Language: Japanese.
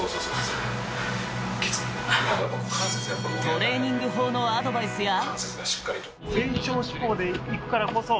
トレーニング法のアドバイスや。